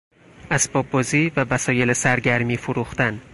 اسباب بازی و وسایل سرگرمی فروختن